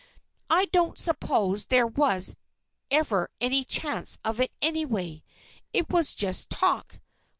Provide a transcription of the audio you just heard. I don't suppose there was ever any chance of it, anyway. It was just talk.